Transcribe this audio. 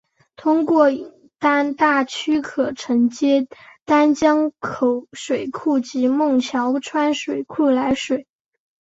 通过引丹大渠可承接丹江口水库及孟桥川水库来水。